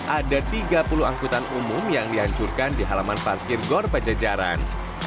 ada tiga puluh angkutan umum yang dihancurkan di halaman parkir gor pajajaran